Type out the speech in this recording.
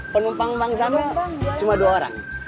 penumpang bang samil cuma dua orang